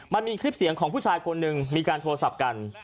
มันมีคลิปเสียงของผู้ชายคนหนึ่งมีการโทรศัพท์กัน